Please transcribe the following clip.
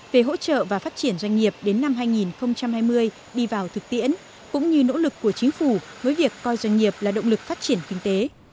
về hỗ trợ và phát triển doanh nghiệp đến năm hai nghìn hai mươi đi vào thực tiễn cũng như nỗ lực của chính phủ với việc coi doanh nghiệp là động lực phát triển kinh tế